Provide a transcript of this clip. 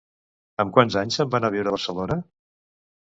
Amb quants anys se'n va anar a viure a Barcelona?